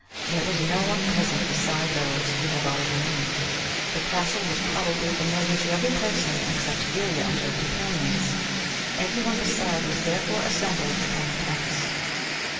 There was no one present beside those we have already named. The castle was probably familiar to every person except Delia and her companions. Every one beside was therefore assembled upon the terrace.